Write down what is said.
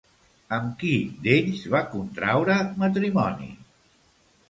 Amb qui d'ells va contraure matrimoni?